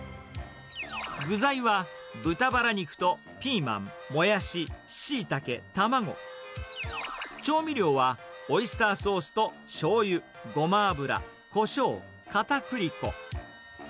具材は、豚バラ肉とピーマン、モヤシ、シイタケ、卵、調味料は、オイスターソースとしょうゆ、ゴマ油、こしょう、かたくり粉。